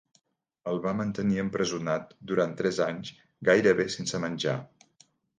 El va mantenir empresonat durant tres anys gairebé sense menjar.